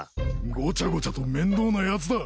ごちゃごちゃと面倒なやつだ。